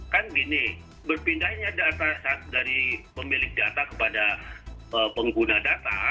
kan gini berpindahnya data dari pemilik data kepada pengguna data